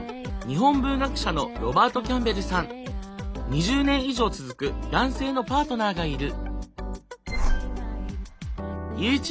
２０年以上続く男性のパートナーがいる。